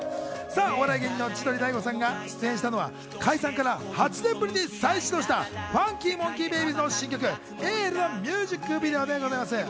お笑い芸人の千鳥・大悟さんが出演したのは、解散から８年ぶりに再始動したＦＵＮＫＹＭＯＮＫＥＹＢΛＢＹ‘Ｓの新曲『エール』のミュージックビデオです。